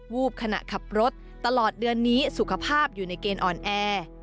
วูบขณะขับรถตลอดเดือนนี้สุขภาพอยู่ในเกณฑ์อ่อนแอ